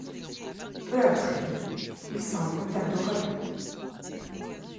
Peu après, ils s'en vont à Dorado.